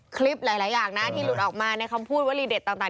คลิปหลายอย่างนะที่หลุดออกมาในคำพูดวลีเด็ดต่าง